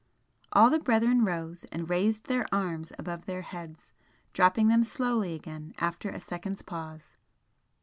All the brethren rose, and raised their arms above their heads dropping them slowly again after a second's pause.